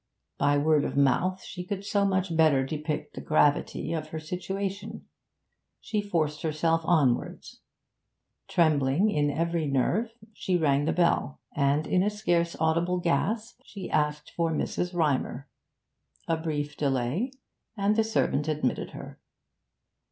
By word of mouth she could so much better depict the gravity of her situation. She forced herself onwards. Trembling in every nerve, she rang the bell, and in a scarce audible gasp she asked for Mrs. Rymer. A brief delay, and the servant admitted her.